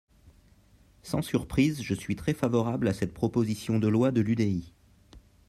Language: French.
Sans surprise, je suis très favorable à cette proposition de loi de l’UDI.